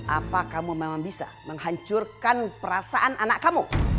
apa kamu memang bisa menghancurkan perasaan anak kamu